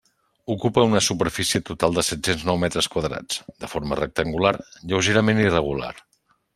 Ocupa una superfície total de set-cents nou metres quadrats, de forma rectangular, lleugerament irregular.